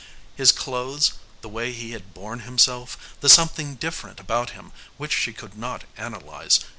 His clothes, the way he had borne himself, the something different about him which she could not analyze.